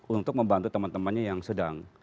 untuk membantu teman temannya yang sedang